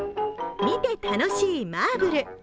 見て楽しいマーブル。